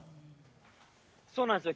そうなんですよ。